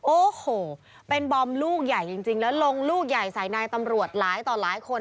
โอ้โหเป็นบอมลูกใหญ่จริงแล้วลงลูกใหญ่ใส่นายตำรวจหลายต่อหลายคน